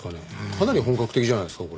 かなり本格的じゃないですか？